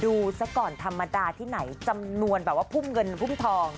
ซะก่อนธรรมดาที่ไหนจำนวนแบบว่าพุ่มเงินพุ่มทอง